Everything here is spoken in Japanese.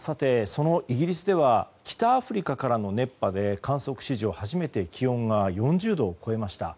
そのイギリスでは北アフリカからの熱波で観測史上初めて気温が４０度を超えました。